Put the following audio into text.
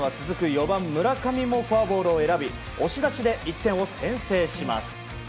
４番、村上もフォアボールを選び押し出しで１点を先制します。